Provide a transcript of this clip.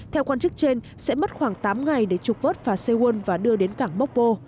theo quan chức trên sẽ mất khoảng tám ngày để trục vớt phà sewol và đưa đến cảng mokpo